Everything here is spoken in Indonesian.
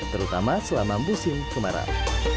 terutama selama musim kemarau